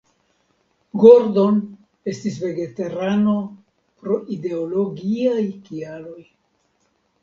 Gordon estis vegetarano pro ideologiaj kialoj.